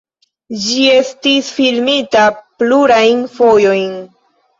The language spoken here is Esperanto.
Ĝi estis filmita plurajn fojojn.